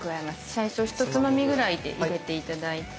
最初ひとつまみぐらいで入れて頂いて。